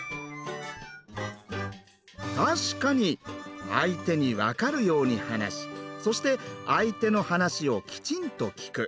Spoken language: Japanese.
確かに「相手に分かるように話しそして相手の話をきちんと聞く」。